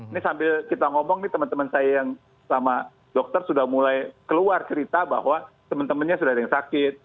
ini sambil kita ngomong nih teman teman saya yang sama dokter sudah mulai keluar cerita bahwa teman temannya sudah ada yang sakit